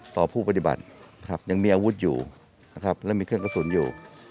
ต่อผู้ปฏิบัติครับยังมีอาวุธอยู่นะครับและมีเครื่องกระสุนอยู่